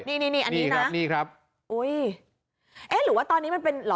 นี่อันนี้นะนี่ครับนี่ครับโอ้ยเอ๊ะหรือว่าตอนนี้มันเป็นเหรอ